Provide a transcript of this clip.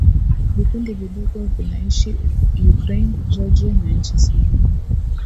Vikundi vidogo vinaishi Ukraine Georgia na nchi zingine